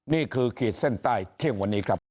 นี่คือขีดเส้นใต้เท่าวันนี้ครับ